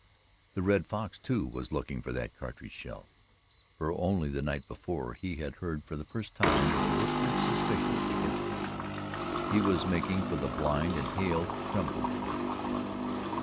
The Red Fox, too, was looking for that cartridge shell, for only the night before had he heard for the first time of the whispered suspicions against him. He was making for the blind and Hale trembled at his luck.